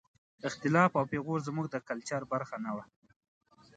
اختلاف او پېغور زموږ د کلچر برخه نه وه.